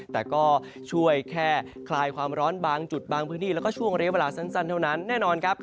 แต่ก็ช่วยแค่คลายความร้อนบางจุดบางพื้นที่แล้วก็ช่วงเรียกเวลาสั้นเท่านั้นแน่นอนครับ